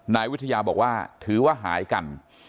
นายวิทยาบอกว่าถือว่าหายกัน